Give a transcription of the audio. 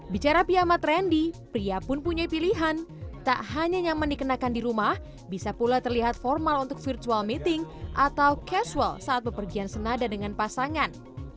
bicara piama trendy pria pun punya pilihan tak hanya nyaman dikenakan di rumah bisa pula terlihat formal untuk virtual meeting atau casual saat bepergian senada dengan pasangan